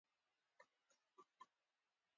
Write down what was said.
د لارې خس وای په باد الوتای